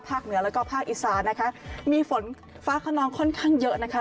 เหนือแล้วก็ภาคอีสานนะคะมีฝนฟ้าขนองค่อนข้างเยอะนะคะ